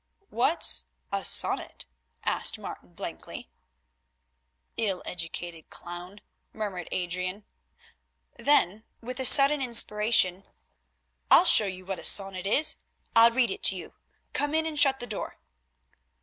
"What's a sonnet?" asked Martin blankly. "Ill educated clown," murmured Adrian, then—with a sudden inspiration, "I'll show you what a sonnet is; I will read it to you. Come in and shut the door."